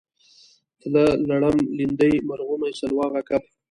تله لړم لیندۍ مرغومی سلواغه کب